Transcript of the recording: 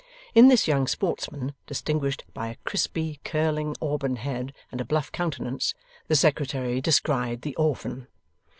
In this young sportsman, distinguished by a crisply curling auburn head and a bluff countenance, the Secretary descried the orphan.